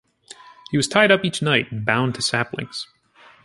He was tied up each night, and bound to saplings.